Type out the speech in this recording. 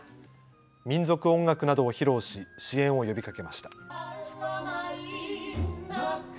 民族音楽などを披露し支援を呼びかけました。